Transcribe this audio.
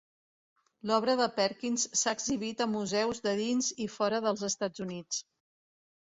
L'obra de Perkins s'ha exhibit a museus de dins i fora dels Estats Units.